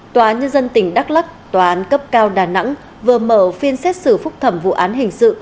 tòa nhân dân tỉnh đắk lắc tòa án cấp cao đà nẵng vừa mở phiên xét xử phúc thẩm vụ án hình sự